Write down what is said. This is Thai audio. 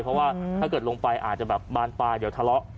เพราะว่าถ้าเกิดลงไปอาจจะแบบบานปลายเดี๋ยวทะเลาะ